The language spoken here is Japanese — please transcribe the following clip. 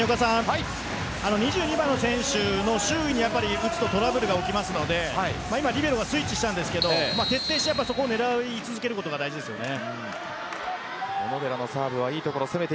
２２番の選手の周囲に打つとトラブルが起きますのでリベロがスイッチしましたが徹底して狙い続けることが大事ですよね。